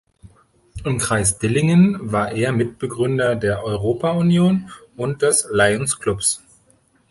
Im Kreis Dillingen war er Mitbegründer der Europa-Union und des Lions-Clubs.